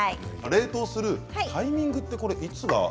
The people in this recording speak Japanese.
冷凍するタイミングってこれいつがいいんですか？